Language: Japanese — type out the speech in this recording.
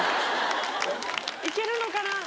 行けるのかな？